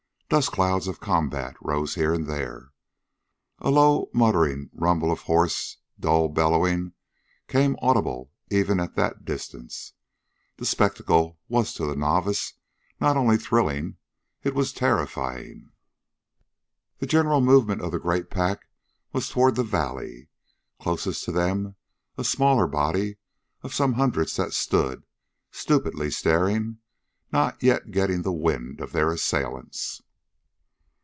Dust clouds of combat rose here and there. A low muttering rumble of hoarse dull bellowing came audible even at that distance. The spectacle was to the novice not only thrilling it was terrifying. The general movement of the great pack was toward the valley; closest to them a smaller body of some hundreds that stood, stupidly staring, not yet getting the wind of their assailants.